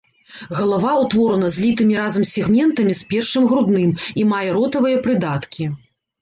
Галава ўтворана злітымі разам сегментамі з першым грудным і мае ротавыя прыдаткі.